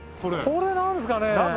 これなんですかね？